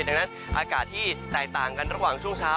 ดังนั้นอากาศที่แตกต่างกันระหว่างช่วงเช้า